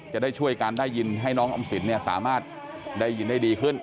จะได้ช่วยกันได้ยินให้น้องออมสินสามารถได้ยินได้ดีขึ้น